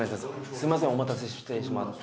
すいませんお待たせしてしまって。